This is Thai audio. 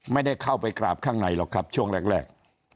ไม่ได้เข้าไปกราบข้างในหรอกครับช่วงแรก